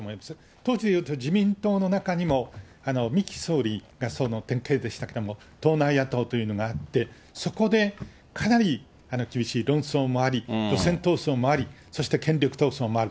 当時でいうと、自民党の中にも、三木総理がその典型でしたけれども、党内野党というのがあって、そこで、かなり厳しい論争もあり、ろせんとうそうもありそして権力闘争もある。